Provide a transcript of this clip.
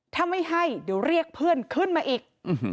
ถ้าไม่ให้เดี๋ยวเรียกเพื่อนขึ้นมาอีก